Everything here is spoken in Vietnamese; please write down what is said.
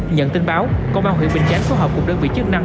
nhận tin báo công an huyện bình chánh phối hợp cùng đơn vị chức năng